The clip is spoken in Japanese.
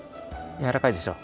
やわらかいでしょ？